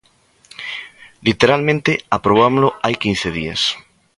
Literalmente aprobámolo hai quince días.